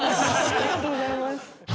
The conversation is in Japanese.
ありがとうございます。